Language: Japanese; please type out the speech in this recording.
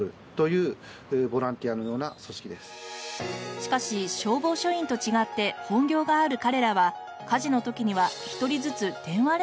しかし消防署員と違って本業がある彼らは火事の時には一人ずつ電話連絡で呼び出し。